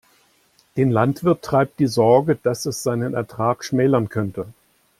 Den Landwirt treibt die Sorge, dass es seinen Ertrag schmälern könnte.